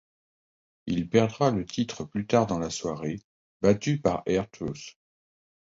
Il perdra le titre plus tard dans la soirée, battu par R-Truth.